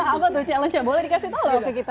apa tuh challenge nya boleh dikasih tolong ke kita